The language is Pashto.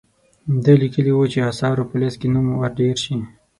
ده لیکلي وو چې آثارو په لیست کې نوم ور ډیر شي.